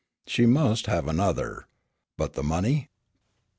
She must have another. But the money?